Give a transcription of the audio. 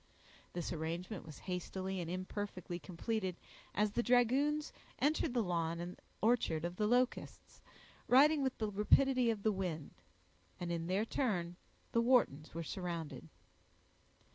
This arrangement was hastily and imperfectly completed, as the dragoons entered the lawn and orchard of the Locusts, riding with the rapidity of the wind; and in their turn the Whartons were surrounded.